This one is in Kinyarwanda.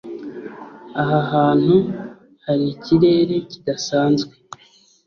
aha hantu hari ikirere kidasanzwe